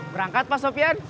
berangkat pak sopyan